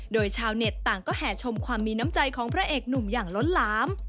โดยชาวเน็ตต่างก็แห่ชมความมีน้ำใจของพระเอกหนุ่มอย่างล้นหลาม